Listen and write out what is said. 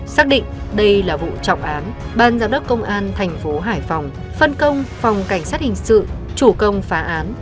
xác định đây là vụ trọng án ban giám đốc công an thành phố hải phòng phân công phòng cảnh sát hình sự chủ công phá án